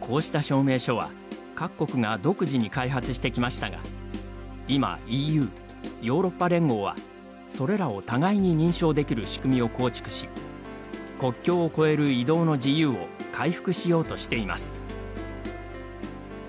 こうした証明書は、各国が独自に開発してきましたが今、ＥＵ＝ヨーロッパ連合はそれらを互いに認証できる仕組みを構築し国境を越える移動の自由を回復しようとしています。